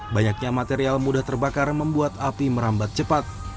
banyaknya material mudah terbakar membuat api merambat cepat